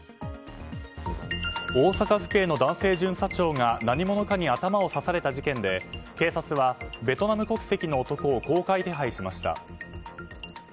大阪府警の男性巡査長が何者かに頭を刺された事件で警察はベトナム国籍の男を公開手配しました。